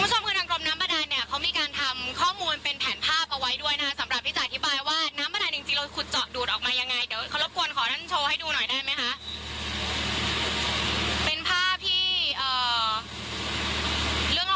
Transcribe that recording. คุณผู้ชมคือทางกรมน้ำบาดานเนี่ยเขามีการทำข้อมูลเป็นแผนภาพเอาไว้ด้วยนะคะสำหรับพี่จ๋าอธิบายว่าน้ำบาดานจริงเราขุดเจาะดูดออกมายังไงเดี๋ยวขอรบกวนขอท่านโชว์ให้ดูหน่อยได้ไหมคะ